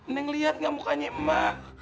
neng lihat gak mukanya emak